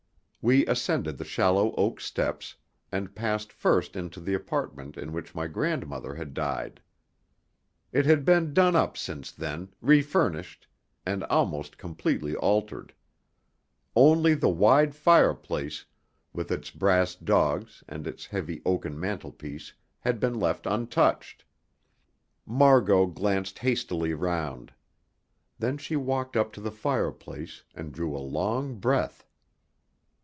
We ascended the shallow oak steps, and passed first into the apartment in which my grandmother had died. It had been done up since then, refurnished, and almost completely altered. Only the wide fireplace, with its brass dogs and its heavy oaken mantelpiece, had been left untouched. Margot glanced hastily round. Then she walked up to the fireplace, and drew a long breath.